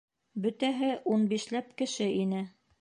Бөтәһе ун бишләп кеше ине.